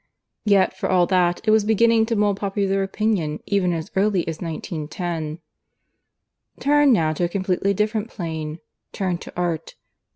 Yet for all that it was beginning to mould popular opinion even as early as 1910. "Turn now to a completely different plane. Turn to Art.